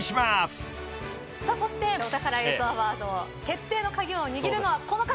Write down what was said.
さあそしてお宝映像アワード決定の鍵を握るのはこの方です。